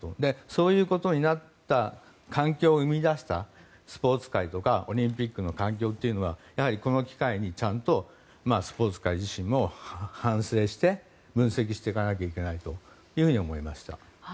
そういうことになった環境を生み出したスポーツ界とかオリンピックの環境というのはやはり、この機会にちゃんとスポーツ界自身も反省して分析していかなければいけないと思いました。